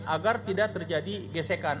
agar tidak terjadi gesekan